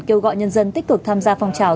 kêu gọi nhân dân tích cực tham gia phong trào